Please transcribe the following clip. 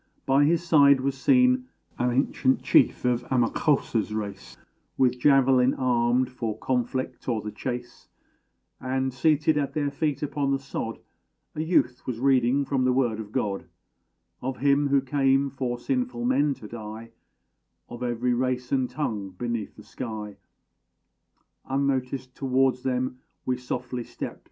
By his side was seen An ancient chief of Amakósa's race, With javelin armed for conflict or the chase, And, seated at their feet upon the sod, A youth was reading from the Word of God, Of Him who came for sinful men to die, Of every race and tongue beneath the sky. Unnoticed, towards them we softly stept.